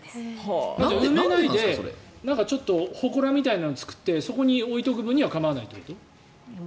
埋めないでほこらみたいなのを作ってそこに置いておく分には構わないということ？